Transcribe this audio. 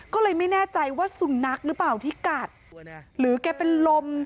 ก็เลยไม่แน่ใจว่าสุนัขหรือเปล่าที่กัดหรือแกเป็นลม